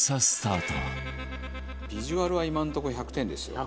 ビジュアルは今のとこ１００点ですよ。